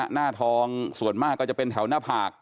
หน้าทองส่วนมากก็จะเป็นแถวหน้าผาก